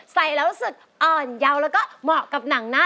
ใส่แล้วรู้สึกอ่อนเยาว์แล้วก็เหมาะกับหนังหน้า